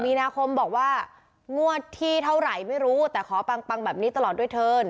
มีนาคมบอกว่างวดที่เท่าไหร่ไม่รู้แต่ขอปังแบบนี้ตลอดด้วยเถิน